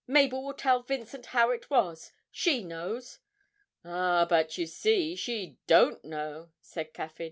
'Mabel will tell Vincent how it was she knows.' 'Ah, but you see she don't know,' said Caffyn.